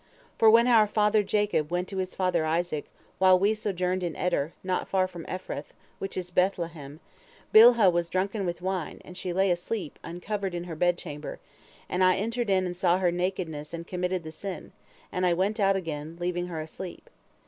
For when our father Jacob went to his father Isaac, while we sojourned in Eder, not far from Ephrath, which is Beth lehem, Bilhah was drunken with wine, and she lay asleep, uncovered, in her bedchamber, and I entered in and saw her nakedness and committed the sin, and I went out again, leaving her asleep.